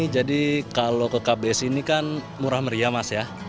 jadi kalau ke kbs ini kan murah meriah mas ya